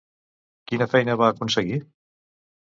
Quina feina va aconseguir?